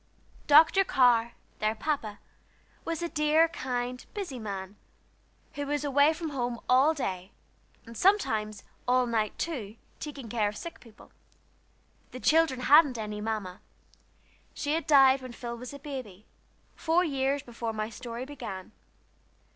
Dr. Carr, their Papa, was a dear, kind, busy man, who was away from home all day, and sometimes all night, too, taking care of sick people. The children hadn't any Mamma. She had died when Phil was a baby, four years before my story began.